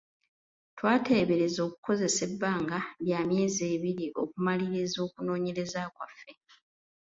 Twateebereza okukozesa ebbanga lya myezi ebiri okumaliriza okunoonyereza kwaffe.